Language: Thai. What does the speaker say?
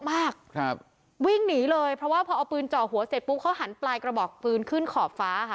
มากครับวิ่งหนีเลยเพราะว่าพอเอาปืนเจาะหัวเสร็จปุ๊บเขาหันปลายกระบอกปืนขึ้นขอบฟ้าค่ะ